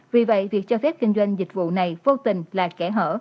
vì vậy việc cho phép kinh doanh dịch vụ này vô tình là kẻ hở